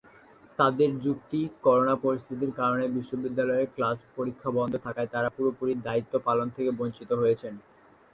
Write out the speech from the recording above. তাদের যুক্তি করোনা পরিস্থিতির কারণে বিশ্ববিদ্যালয়ের ক্লাস-পরীক্ষা বন্ধ থাকায় তারা পুরোপুরি দায়িত্ব পালন থেকে বঞ্চিত হয়েছেন।